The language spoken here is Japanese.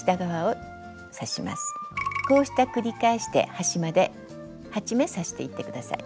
こうした繰り返しで端まで８目刺していって下さい。